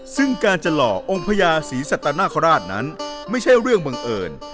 ซึ่งการจะหล่อองค์พญาศรีสัตนคราชนั้นไม่ใช่เรื่องบังเอิญ